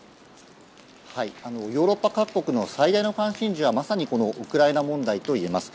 ヨーロッパ各国の最大の関心事はまさにウクライナ問題といえます。